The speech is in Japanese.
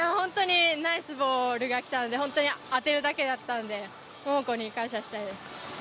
ナイスボールが来たので、本当に当てるだけだったので、萌々子に感謝したいです。